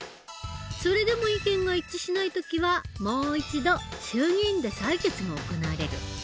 それでも意見が一致しない時はもう一度衆議院で採決が行われる。